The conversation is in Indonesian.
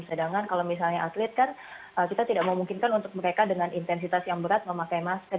sedangkan kalau misalnya atlet kan kita tidak memungkinkan untuk mereka dengan intensitas yang berat memakai masker